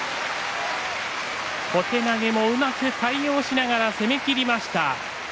小手投げをうまく対応しながら攻めきりました。